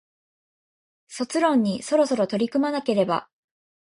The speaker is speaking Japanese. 卒論にそろそろ取り組まなければ